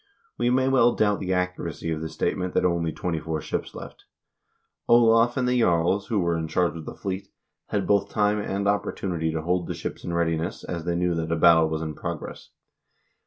We may well doubt the accuracy of the statement that only twenty four ships left. Olav and the jarls, who were in charge of the fleet, had both time and opportunity to hold the ships in readiness, as they knew that a battle was in progress.